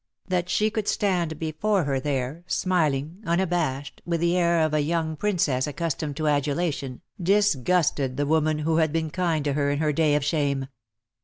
That she could stand before her 150 DEAD LOVE HAS CHAINS. there, smiling, unabashed, with the air of a young Princess accustomed to adulation, disgusted the woman who had been kind to her in her day of shame.